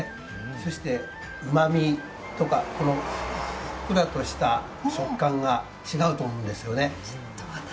そしてうまみとか、このふっくらとした食感が違うと思うんですよね。